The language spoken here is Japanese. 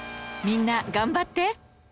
みんな頑張って